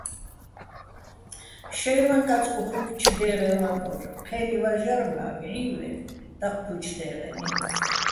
შაჲრვაჼ კაწკუჲჩო̆ დე́ღეჼ ვანო́რ, ჴე́ნი ვაჟარ მა́ ვჵივეჸ დაჴჴუ́ჲჩო̆ დე́ღენი.